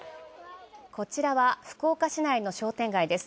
こちらは福岡市内の商店街です。